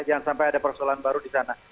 jangan sampai ada persoalan baru di sana